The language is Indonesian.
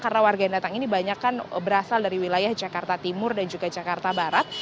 karena warga yang datang ini banyak kan berasal dari wilayah jakarta timur dan juga jakarta barat